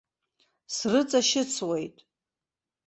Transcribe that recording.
Срыҵашьыцуеит.